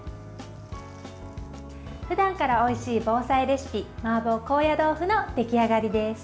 ふだんからおいしい防災レシピマーボー高野豆腐の出来上がりです。